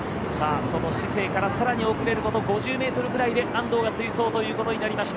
そのシセイからさらに遅れること５０ｍくらいで安藤が追走ということになりました。